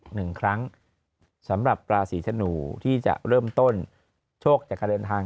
หนึ่งครั้งสำหรับราศีธนูที่จะเริ่มต้นโชคจากการเดินทาง